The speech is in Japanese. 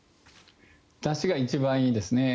だしが一番いいですね。